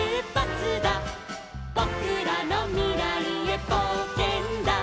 「ぼくらのみらいへぼうけんだ」